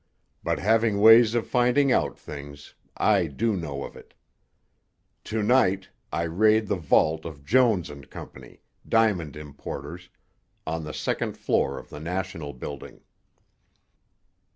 But, having ways of finding out things, I do know of it. "To night I raid the vault of Jones & Co., diamond importers, on the second floor of the National Building."